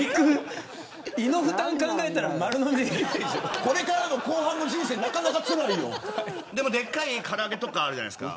胃の負担考えたらこれから後半の人生でも、でかいから揚げとかあるじゃないですか。